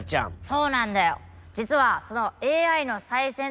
そうなんだよ。